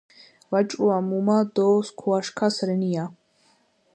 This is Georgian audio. ვაჭრუა მუმა დო სქუაშქას რენია